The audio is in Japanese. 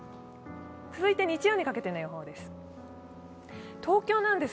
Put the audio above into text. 続いて日曜にかけての予報です。